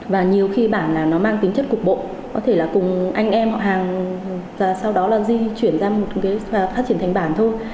và nhiều khi bản là nó mang tính chất cục bộ có thể là cùng anh em họ hàng và sau đó là di chuyển ra một cái phát triển thành bản thôi